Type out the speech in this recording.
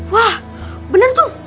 wah bener tuh